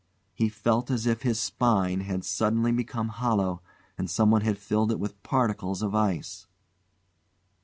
He felt as if his spine had suddenly become hollow and someone had filled it with particles of ice.